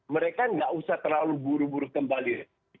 mereka nggak usah terlalu buru buru kembali